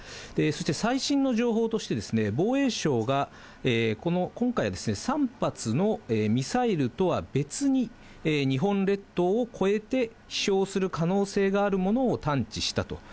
そして最新の情報として、防衛省が今回、３発のミサイルとは別に、日本列島を越えて飛しょうする可能性があるものを探知したと。